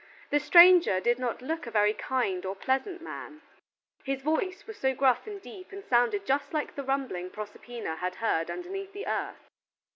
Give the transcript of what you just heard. The stranger did not look a very kind or pleasant man. His voice was so gruff and deep, and sounded just like the rumbling Proserpina had heard underneath the earth.